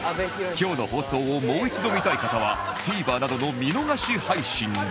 今日の放送をもう一度見たい方は ＴＶｅｒ などの見逃し配信で